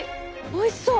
おいしそう！